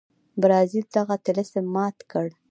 برازیل دغه طلسم مات کړ.